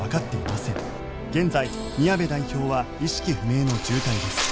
「現在宮部代表は意識不明の重体です」